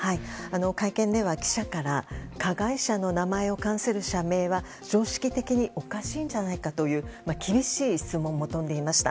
会見では記者から加害者の名前を冠する社名は常識的におかしいんじゃないかという厳しい質問も飛んでいました。